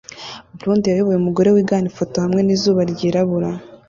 Blond yayoboye umugore wigana ifoto hamwe nizuba ryirabura